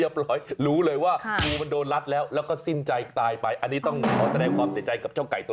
เพราะตัวมันใหญ่ปล่อยเอาไว้ไม่ได้